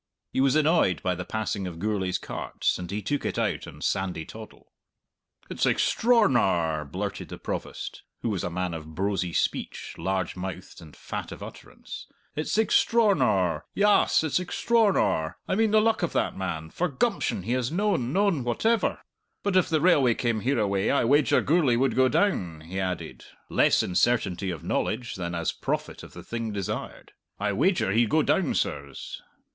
He was annoyed by the passing of Gourlay's carts, and he took it out of Sandy Toddle. "It's extr'ornar!" blurted the Provost (who was a man of brosy speech, large mouthed and fat of utterance). "It's extr'ornar. Yass, it's extr'ornar! I mean the luck of that man for gumption he has noan, noan whatever! But if the railway came hereaway I wager Gourlay would go down," he added, less in certainty of knowledge than as prophet of the thing desired. "I wager he'd go down, sirs."